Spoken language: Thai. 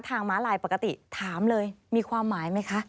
ม้าลายปกติถามเลยมีความหมายไหมคะ